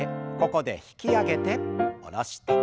ここで引き上げて下ろして。